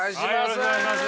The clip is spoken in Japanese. お願いします。